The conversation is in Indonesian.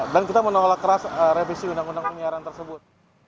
dan kita menolak keras revisi undang undang penyiaran tersebut